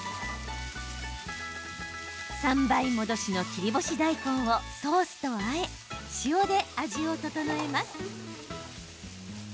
３倍戻しの切り干し大根をソースとあえ、塩で味を調えます。